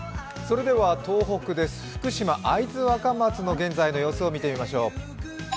東北です、福島・会津若松の現在の様子を見てみましょう。